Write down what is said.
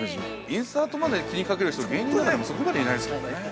インサートまで気にかける人芸人の中でもそこまでいないですけどね。